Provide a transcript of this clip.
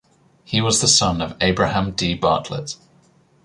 He was the son of Abraham Dee Bartlett.